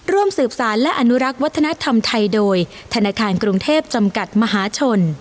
ร่วมสืบสารและอนุรักษ์วัฒนธรรมไทยโดยธนาคารกรุงเทพจำกัดมหาชน